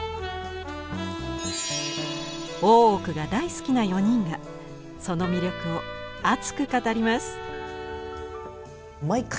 「大奥」が大好きな４人がその魅力を熱く語ります。